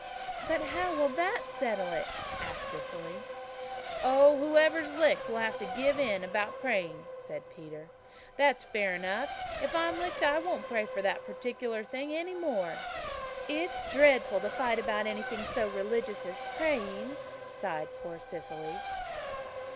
"But how will that settle it?" asked Cecily. "Oh, whoever's licked will have to give in about the praying," said Peter. "That's fair enough. If I'm licked I won't pray for that particular thing any more." "It's dreadful to fight about anything so religious as praying," sighed poor Cecily.